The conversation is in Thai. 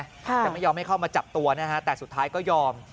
แต่ไม่ยอมให้เข้ามาจับตัวนะฮะแต่สุดท้ายก็ยอม